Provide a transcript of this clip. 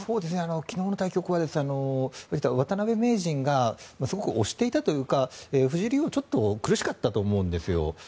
昨日の対局は渡辺名人がすごく押していたというか藤井竜王ちょっと苦しかったと思うんですよ。